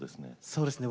そうですね